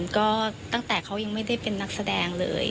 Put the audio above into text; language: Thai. ก็ตั้งแต่เขายังไม่ได้เป็นนักแสดงเลย